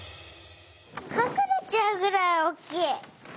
かくれちゃうぐらいおっきい！